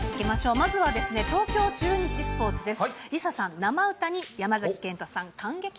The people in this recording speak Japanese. まずは東京中日スポーツです。